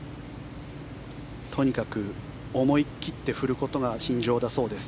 とにかく思い切って振ることが信条だそうです。